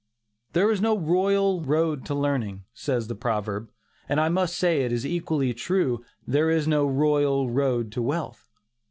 "There is no royal road to learning," says the proverb, and I may say it is equally true, "there is no royal road to wealth."